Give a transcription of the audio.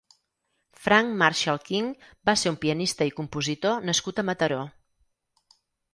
Frank Marshall King va ser un pianista i compositor nascut a Mataró.